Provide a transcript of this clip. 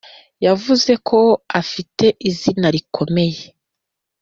yavuze ko afite izina rikomeye